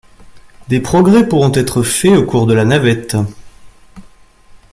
Des progrès pourront être faits au cours de la navette.